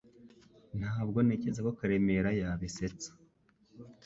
Ntabwo ntekereza ko Karemera yabisetsa